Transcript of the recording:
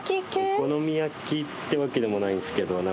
お好み焼きってわけでもないんすけど。